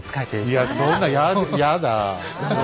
いやそんなややだあ。